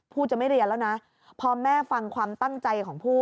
จะไม่เรียนแล้วนะพอแม่ฟังความตั้งใจของผู้